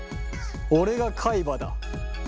俺が海馬だ。